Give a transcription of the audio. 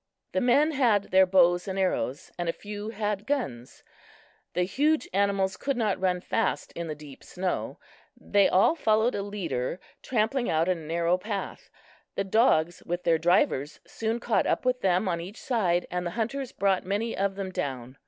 The men had their bows and arrows, and a few had guns. The huge animals could not run fast in the deep snow. They all followed a leader, trampling out a narrow path. The dogs with their drivers soon caught up with them on each side, and the hunters brought many of them down.